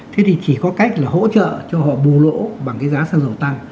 thế thì chỉ có cách là hỗ trợ cho họ bù lỗ bằng cái giá xăng dầu tăng